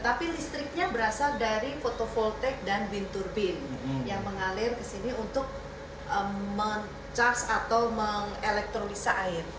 air listriknya berasal dari fotovoltaik dan wind turbine yang mengalir kesini untuk mengecas atau mengelektrolisa air